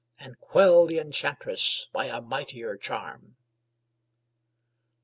And quell the enchantress by a mightier charm.